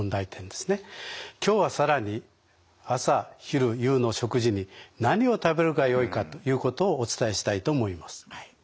今日は更に朝昼夕の食事に何を食べるがよいかということをお伝えしたいと思います。